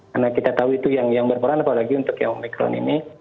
karena kita tahu itu yang berperan apalagi untuk omikron ini